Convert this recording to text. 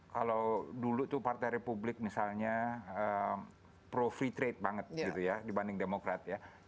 kalau dulu itu partai republik misalnya pro free trade banget gitu ya dibanding demokrat ya